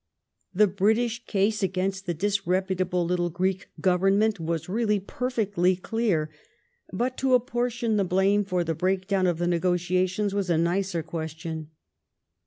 ' The British case against the disreputable little Greeir Government was really perfeetly clear, but to apportion Ae bhune for the breakdown of the negotiations was a nicer question.